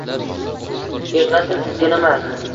Yig‘lasa, sizga nima?